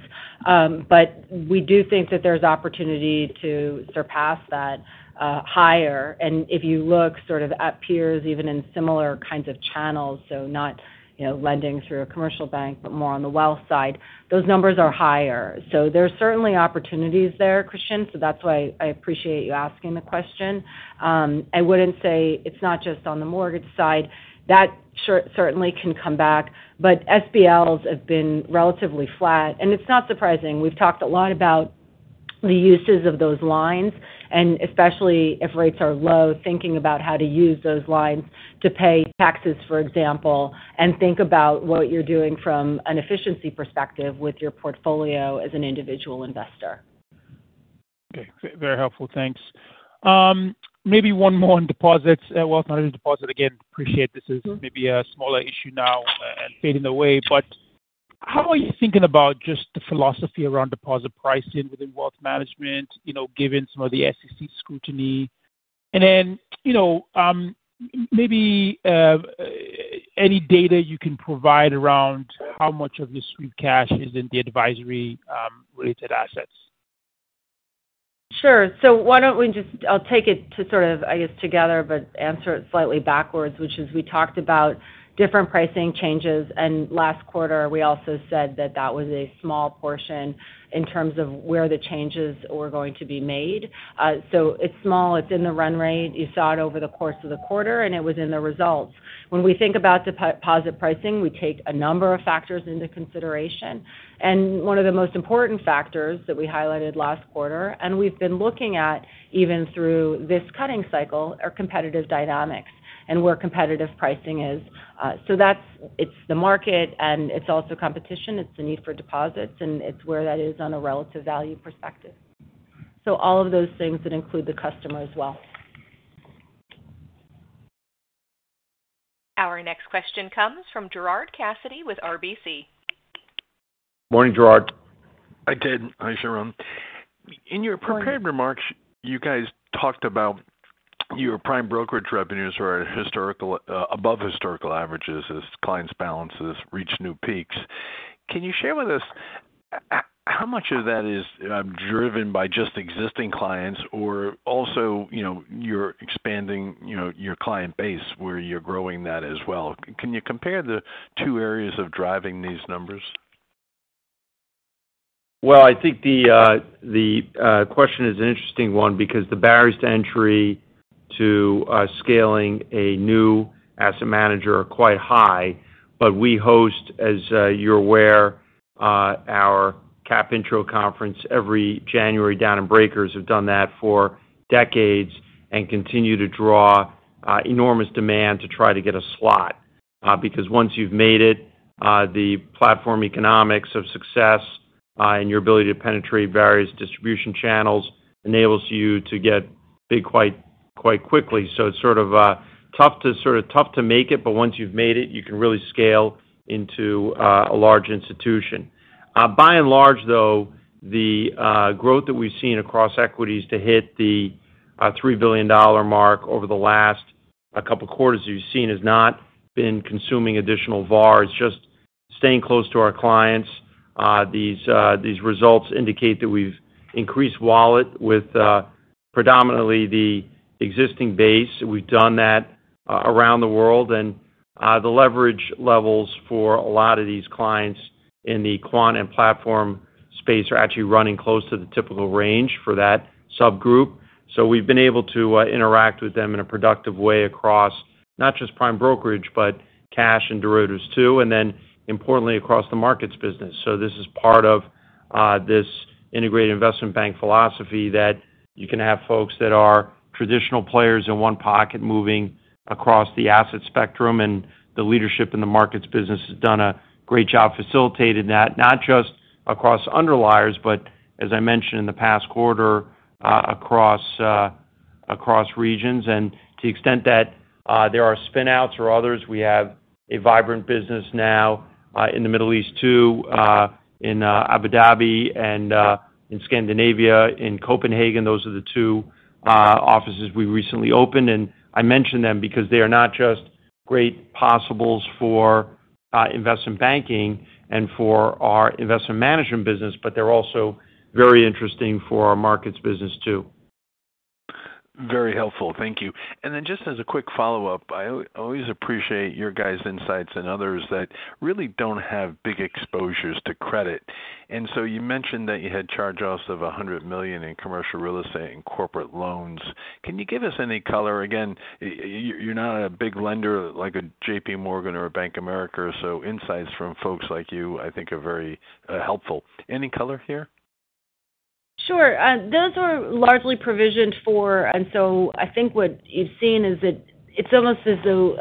But we do think that there's opportunity to surpass that higher. And if you look sort of at peers, even in similar kinds of channels, so not, you know, lending through a commercial bank, but more on the wealth side, those numbers are higher. So there's certainly opportunities there, Christian, so that's why I appreciate you asking the question. I wouldn't say it's not just on the mortgage side. That certainly can come back, but SBLs have been relatively flat, and it's not surprising. We've talked a lot about the uses of those lines, and especially if rates are low, thinking about how to use those lines to pay taxes, for example, and think about what you're doing from an efficiency perspective with your portfolio as an individual investor. Okay. Very helpful. Thanks. Maybe one more on deposits. Well, not only deposit, again, appreciate this is-... maybe a smaller issue now and fading away. But how are you thinking about just the philosophy around deposit pricing within Wealth Management, you know, given some of the SEC scrutiny? And then, you know, maybe any data you can provide around how much of your sweep cash is in the Advisory related assets? Sure. So why don't we just... I'll take it to sort of, I guess, together, but answer it slightly backwards, which is we talked about different pricing changes, and last quarter, we also said that that was a small portion in terms of where the changes were going to be made. So it's small. It's in the run rate. You saw it over the course of the quarter, and it was in the results. When we think about deposit pricing, we take a number of factors into consideration, and one of the most important factors that we highlighted last quarter, and we've been looking at, even through this cutting cycle, are competitive dynamics and where competitive pricing is. So that's-- it's the market, and it's also competition. It's the need for deposits, and it's where that is on a relative value perspective. All of those things that include the customer as well. Our next question comes from Gerard Cassidy with RBC. Morning, Gerard. Hi, Ted. Hi, Sharon. Morning. In your prepared remarks, you guys talked about your Prime Brokerage revenues are historical, above historical averages as clients' balances reach new peaks. Can you share with us, how, how much of that is driven by just existing clients or also, you know, you're expanding, you know, your client base, where you're growing that as well? Can you compare the two areas of driving these numbers? I think the question is an interesting one because the barriers to entry to scaling a new asset manager are quite high, but we host, as you're aware, our cap intro conference every January down in Breakers. We've done that for decades and continue to draw enormous demand to try to get a slot because once you've made it, the platform economics of success and your ability to penetrate various distribution channels enables you to get big quite quickly. It's sort of tough to make it, but once you've made it, you can really scale into a large institution. By and large, though, the growth that we've seen across equities to hit the $3 billion mark over the last couple quarters, you've seen, has not been consuming additional VaR. It's just staying close to our clients. These results indicate that we've increased wallet with predominantly the existing base. We've done that around the world, and the leverage levels for a lot of these clients in the quant and platform space are actually running close to the typical range for that subgroup. So we've been able to interact with them in a productive way across, not just Prime Brokerage, but cash and derivatives too, and then importantly, across the markets business. So this is part of this integrated investment bank philosophy that-... You can have folks that are traditional players in one pocket moving across the asset spectrum, and the leadership in the markets business has done a great job facilitating that, not just across underliers, but as I mentioned in the past quarter, across regions. And to the extent that there are spin outs or others, we have a vibrant business now in the Middle East, too, in Abu Dhabi and in Scandinavia, in Copenhagen. Those are the two offices we recently opened, and I mention them because they are not just great possibles for Investment Banking and for our Investment Management business, but they're also very interesting for our markets business, too. Very helpful. Thank you. And then just as a quick follow-up, I always appreciate your guys' insights and others that really don't have big exposures to credit. And so you mentioned that you had charge-offs of $100 million in commercial real estate and corporate loans. Can you give us any color? Again, you're not a big lender like a JPMorgan or a Bank of America, so insights from folks like you, I think, are very helpful. Any color here? Sure. Those are largely provisioned for, and so I think what you've seen is that it's almost as though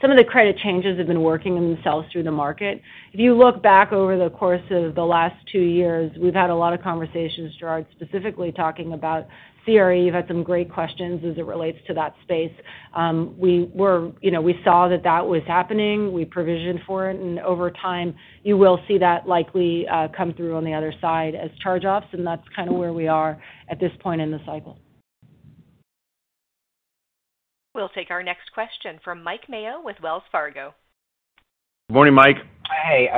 some of the credit changes have been working themselves through the market. If you look back over the course of the last two years, we've had a lot of conversations, Gerard, specifically talking about CRE. You've had some great questions as it relates to that space. You know, we saw that that was happening. We provisioned for it, and over time, you will see that likely come through on the other side as charge-offs, and that's kind of where we are at this point in the cycle. We'll take our next question from Mike Mayo with Wells Fargo. Good morning, Mike. Hey,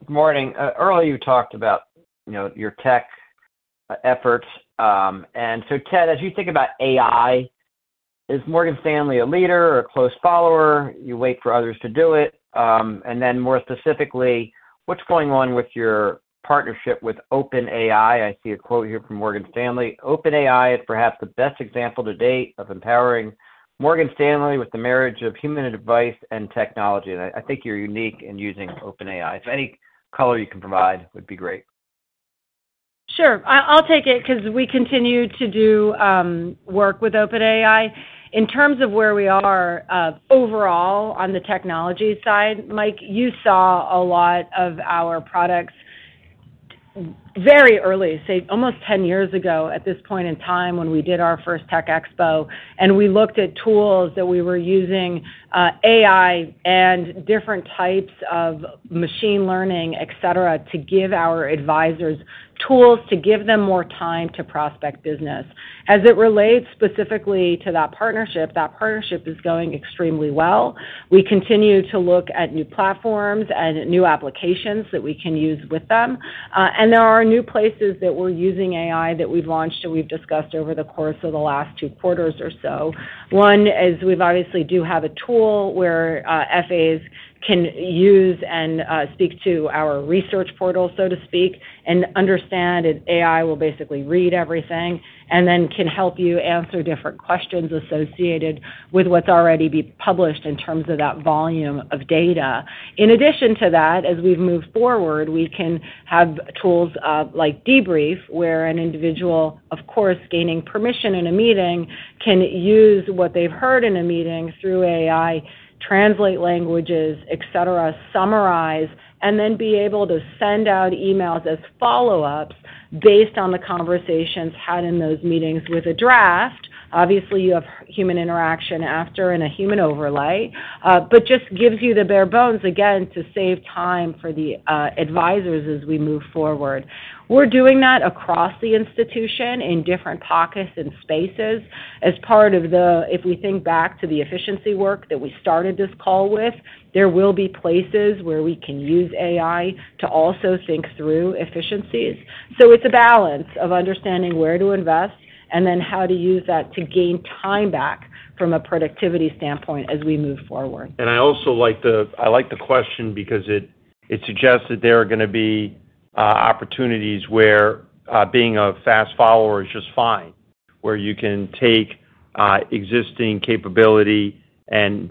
good morning. Earlier, you talked about, you know, your tech efforts. And so Ted, as you think about AI, is Morgan Stanley a leader or a close follower? You wait for others to do it? And then more specifically, what's going on with your partnership with OpenAI? I see a quote here from Morgan Stanley. "OpenAI is perhaps the best example to date of empowering Morgan Stanley with the marriage of human advice and technology." And I think you're unique in using OpenAI. So any color you can provide would be great. Sure. I, I'll take it because we continue to do work with OpenAI. In terms of where we are overall on the technology side, Mike, you saw a lot of our products very early, say, almost ten years ago at this point in time, when we did our first tech expo, and we looked at tools that we were using AI and different types of machine learning, et cetera, to give our advisors tools to give them more time to prospect business. As it relates specifically to that partnership, that partnership is going extremely well. We continue to look at new platforms and new applications that we can use with them. And there are new places that we're using AI that we've launched and we've discussed over the course of the last two quarters or so. One is we obviously do have a tool where FAs can use and speak to our research portal, so to speak, and understand, and AI will basically read everything, and then can help you answer different questions associated with what's already been published in terms of that volume of data. In addition to that, as we've moved forward, we can have tools like Debrief, where an individual, of course, gaining permission in a meeting can use what they've heard in a meeting through AI, translate languages, et cetera, summarize, and then be able to send out emails as follow-ups based on the conversations had in those meetings with a draft. Obviously, you have human interaction after and a human overlay, but just gives you the bare bones, again, to save time for the advisors as we move forward. We're doing that across the institution in different pockets and spaces as part of the... If we think back to the efficiency work that we started this call with, there will be places where we can use AI to also think through efficiencies. So it's a balance of understanding where to invest and then how to use that to gain time back from a productivity standpoint as we move forward. I also like the question because it suggests that there are gonna be opportunities where being a fast follower is just fine, where you can take existing capability and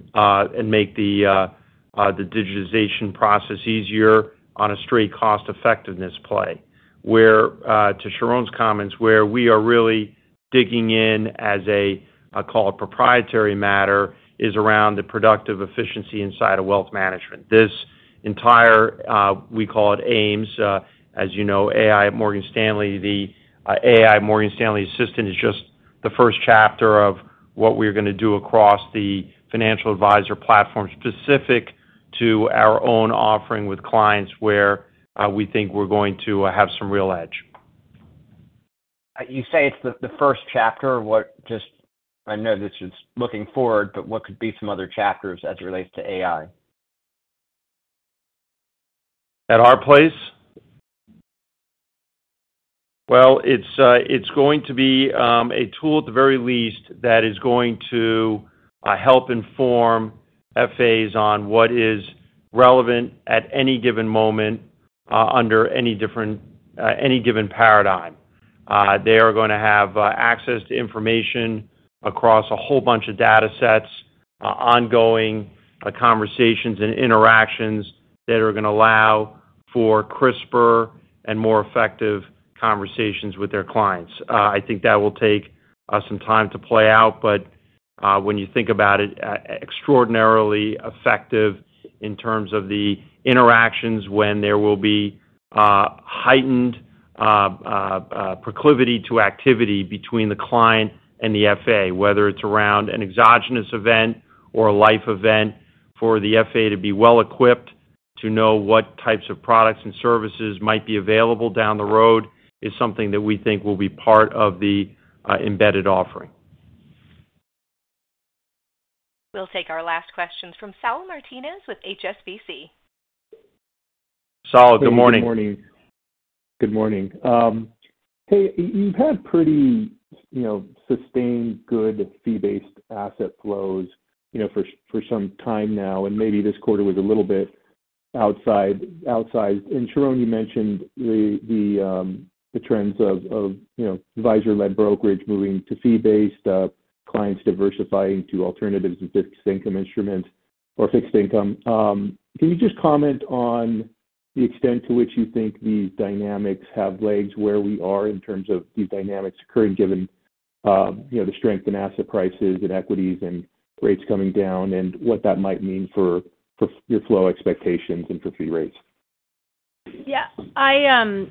make the digitization process easier on a straight cost effectiveness play. To Sharon's comments, where we are really digging in as a call it proprietary matter, is around the productive efficiency inside of Wealth Management. This entire we call it AI @ MS, as you know, AI at Morgan Stanley. The AI Morgan Stanley Assistant is just the first chapter of what we're gonna do across the financial advisor platform, specific to our own offering with clients, where we think we're going to have some real edge. You say it's the first chapter. I know this is looking forward, but what could be some other chapters as it relates to AI? At our place? Well, it's going to be a tool, at the very least, that is going to help inform FAs on what is relevant at any given moment, under any different, any given paradigm. They are gonna have access to information across a whole bunch of data sets... ongoing conversations and interactions that are gonna allow for crisper and more effective conversations with their clients. I think that will take some time to play out, but when you think about it, extraordinarily effective in terms of the interactions when there will be heightened proclivity to activity between the client and the FA. Whether it's around an exogenous event or a life event, for the FA to be well-equipped to know what types of products and services might be available down the road, is something that we think will be part of the embedded offering. We'll take our last questions from Saul Martinez with HSBC. Saul, good morning. Good morning. Good morning. Hey, you've had pretty, you know, sustained good fee-based asset flows, you know, for some time now, and maybe this quarter was a little bit outside. And Sharon, you mentioned the trends of, you know, Advisor-Led brokerage moving to fee-based, clients diversifying to alternatives and Fixed Income instruments or Fixed Income. Can you just comment on the extent to which you think these dynamics have legs, where we are in terms of these dynamics occurring, given, you know, the strength in asset prices and equities and rates coming down, and what that might mean for your flow expectations and for fee rates? Yeah, I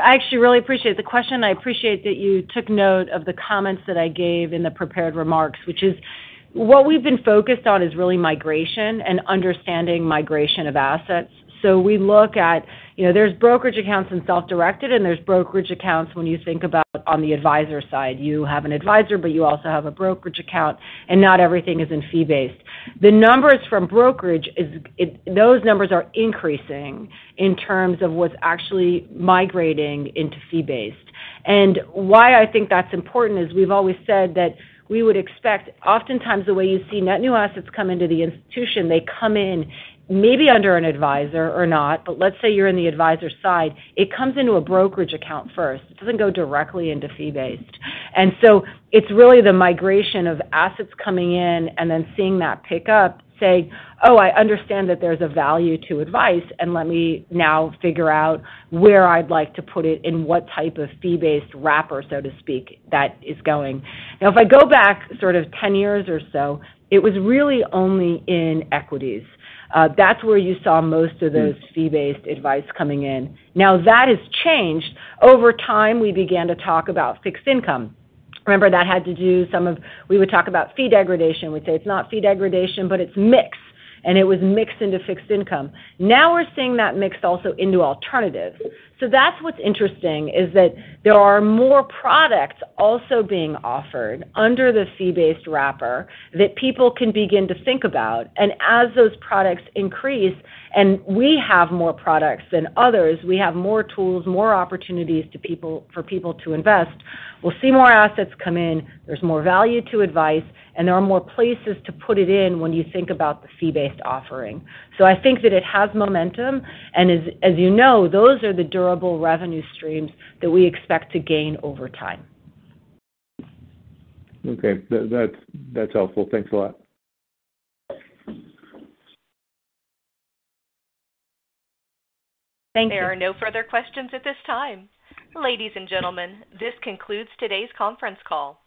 actually really appreciate the question. I appreciate that you took note of the comments that I gave in the prepared remarks, which is what we've been focused on is really migration and understanding migration of assets. So we look at, you know, there's brokerage accounts and self-directed, and there's brokerage accounts when you think about on the advisor side. You have an advisor, but you also have a brokerage account, and not everything is in fee-based. The numbers from brokerage is, those numbers are increasing in terms of what's actually migrating into fee-based. And why I think that's important is we've always said that we would expect, oftentimes, the way you see net new assets come into the institution, they come in maybe under an advisor or not, but let's say you're in the advisor side. It comes into a brokerage account first. It doesn't go directly into fee-based. And so it's really the migration of assets coming in and then seeing that pick up, saying, "Oh, I understand that there's a value to advice, and let me now figure out where I'd like to put it and what type of fee-based wrapper, so to speak, that is going." Now, if I go back sort of ten years or so, it was really only in equities. That's where you saw most of those fee-based advice coming in. Now, that has changed. Over time, we began to talk about Fixed Income. Remember, that had to do some of... We would talk about fee degradation. We'd say, "It's not fee degradation, but it's mixed," and it was mixed into Fxed Income. Now, we're seeing that mixed also into alternatives. So that's what's interesting, is that there are more products also being offered under the fee-based wrapper that people can begin to think about. And as those products increase, and we have more products than others, we have more tools, more opportunities to people- for people to invest. We'll see more assets come in, there's more value to advice, and there are more places to put it in when you think about the fee-based offering. So I think that it has momentum, and as, as you know, those are the durable revenue streams that we expect to gain over time. Okay. That's, that's helpful. Thanks a lot. Thank you. There are no further questions at this time. Ladies and gentlemen, this concludes today's conference call.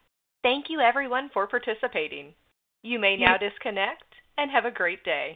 Thank you, everyone, for participating. You may now disconnect and have a great day.